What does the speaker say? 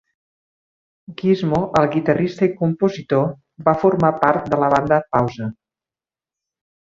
Guizmo, el guitarrista i compositor, va formar part de la banda Pause.